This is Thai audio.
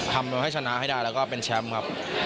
ทำให้ชนะให้ได้แล้วก็เป็นแชมป์ครับ